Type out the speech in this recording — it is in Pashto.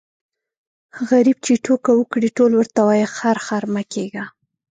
غريب چي ټوکه وکړي ټول ورته وايي خر خر مه کېږه.